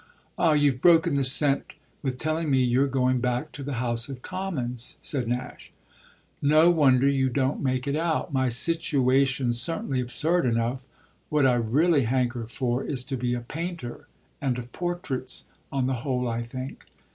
"Ah you've broken the scent with telling me you're going back to the House of Commons," said Nash. "No wonder you don't make it out! My situation's certainly absurd enough. What I really hanker for is to be a painter; and of portraits, on the whole, I think.